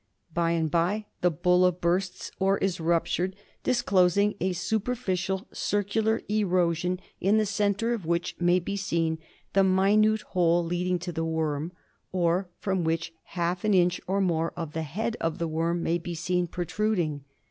By and by the bulla bursts, or is ruptured, disclosing a GUINEA WORM. 3I superficial circular erosion in the centre of which may be seen the minute hole leading to the worm, or from which half an inch or more of the head of the worm may be seen protruding.